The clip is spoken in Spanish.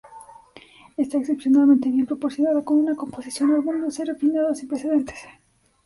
Está excepcionalmente bien proporcionada, con una composición armoniosa y refinada sin precedentes.